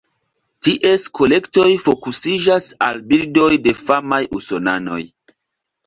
Ties kolektoj fokusiĝas al bildoj de famaj usonanoj.